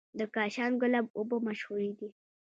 د کاشان ګلاب اوبه مشهورې دي.